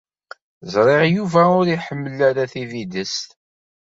Ẓriɣ Yuba ur iḥemmel ara tibidest.